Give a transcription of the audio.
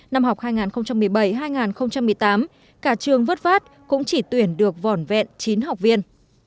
năm học hai nghìn một mươi bảy hai nghìn một mươi tám cả trường vất vát cũng chỉ tuyển được vỏn vẹn chín học viên